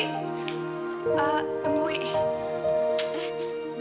aku juga bisa berhubung dengan kamu